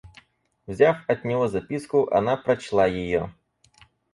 Взяв от него записку, она прочла ее.